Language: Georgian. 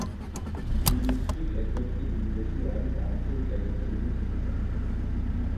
თბილისში, კერძოდ კი დიდუბეში არის არჩილ კერესელიძის ქუჩა.